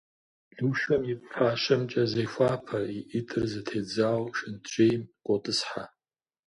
Лушэм и фащэмкӏэ зехуапэ, и ӏитӏыр зэтедзауэ шэнтжьейм къотӏысхьэ.